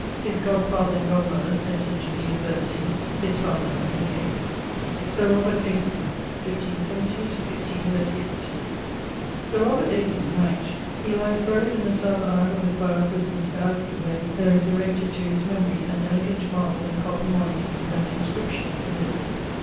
His godfather and godmothers sent him to the University, his father not being able. =Sir Robert Aiton= (1570 1638). [A] Sir Robert Aiton, knight; he lies buried in the south aisle of the choire of Westminster abbey, where there is erected to his memory an elegant marble and copper monument and inscription viz.